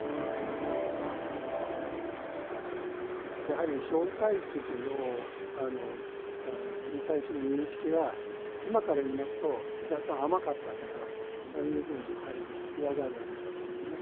やはり蒋介石に対する認識が今から見ますと若干甘かったかなというふうにやはり言わざるをえないわけですね。